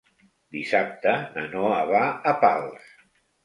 Dissabte na Noa va a Pals.